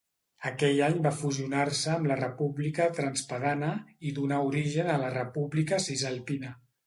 Aquell any va fusionar-se amb la República Transpadana i donà origen a la República Cisalpina.